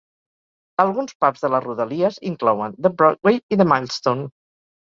Alguns pubs de les rodalies inclouen The Broadway i The Milestone.